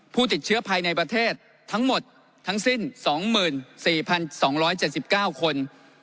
ผู้ติดเชื้อภายในประเทศทั้งหมดทั้งสิ้น๒๔๒๗๙คน